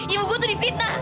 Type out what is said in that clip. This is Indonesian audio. ibuku tuh di fitnah